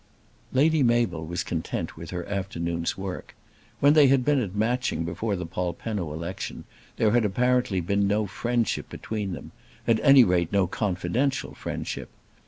Lady Mabel was content with her afternoon's work. When they had been at Matching before the Polpenno election, there had apparently been no friendship between them, at any rate no confidential friendship.